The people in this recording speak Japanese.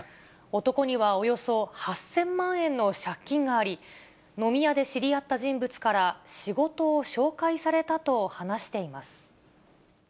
男にはおよそ８０００万円の借金があり、飲み屋で知り合った人物から、仕事を紹介されたと話しています。